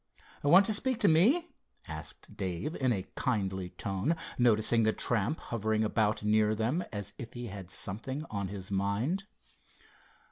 Want to speak to me?" asked Dave in a kindly tone, noticing the tramp hovering about near them as if he had something on his mind.